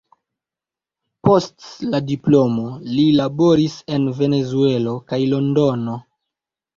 Post la diplomo li laboris en Venezuelo kaj Londono.